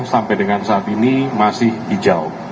sampai dengan saat ini masih hijau